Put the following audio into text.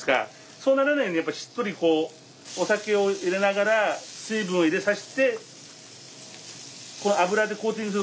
そうならないようにやっぱりしっとりこうお酒を入れながら水分を入れさして油でコーティングする。